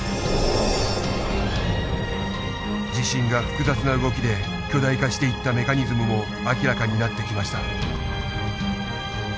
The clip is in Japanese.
地震が複雑な動きで巨大化していったメカニズムも明らかになってきました。